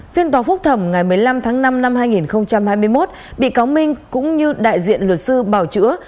phiên tòa phúc thẩm ngày một mươi năm tháng năm năm hai nghìn hai mươi một bị cáo minh cũng như đại diện luật sư bảo chữa